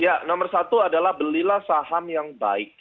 ya nomor satu adalah belilah saham yang baik